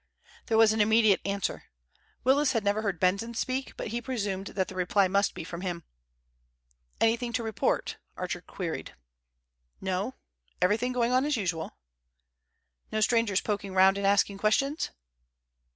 There was an immediate answer. Willis had never heard Benson speak, but he presumed that the reply must be from him. "Anything to report?" Archer queried. "No. Everything going on as usual." "No strangers poking round and asking questions?"